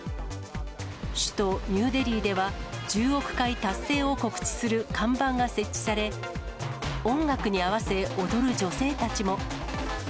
首都ニューデリーでは、１０億回達成を告知する看板が設置され、音楽に合わせ踊る女性たちも。